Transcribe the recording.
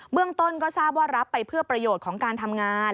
เรื่องต้นก็ทราบว่ารับไปเพื่อประโยชน์ของการทำงาน